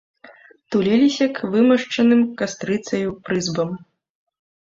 Туліліся к вымашчаным кастрыцаю прызбам.